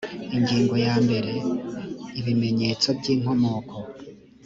ingingo yambere ibimenyetso by inkomoko